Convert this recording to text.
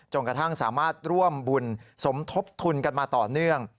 กระทั่งสามารถร่วมบุญสมทบทุนกันมาต่อเนื่อง